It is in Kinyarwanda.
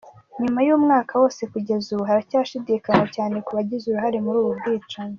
Nyuma y’umwaka wose kugeza ubu, haracyashidikanywa cyane ku bagize uruhare muri ubu bwicanyi.